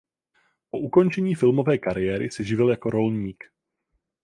Po ukončení filmové kariéry se živil jako rolník.